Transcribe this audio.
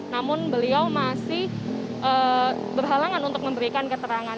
namun beliau masih berhalangan untuk memberikan keterangan